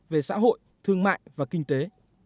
về xã hội thương mại và kinh tế